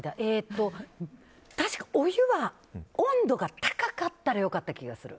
確かお湯は温度が高かったら良かった気がする。